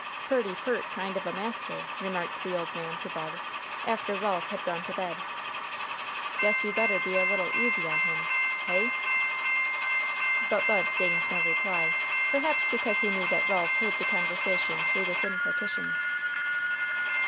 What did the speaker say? "Purty peart kind of a master," remarked the old man to Bud, after Ralph had gone to bed. "Guess you better be a little easy on him. Hey?" But Bud deigned no reply. Perhaps because he knew that Ralph heard the conversation through the thin partition.